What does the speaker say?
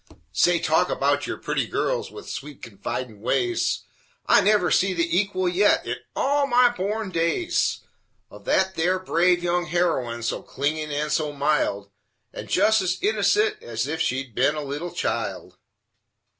Say, talk about your purty girls with sweet, confidin' ways I never see the equal yit, in all o' my born days. Of that there brave young heroine, so clingin' and so mild, And jest as innocent as if she'd been a little child.